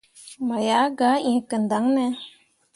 Mo yah gah ẽe kǝndaŋne ?